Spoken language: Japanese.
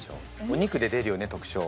お肉で出るよね特徴。